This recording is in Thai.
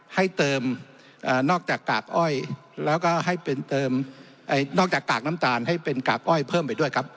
ให้เติมนอกจากกากน้ำจานให้เป็นกากอ้อยเพิ่มไปด้วยครับ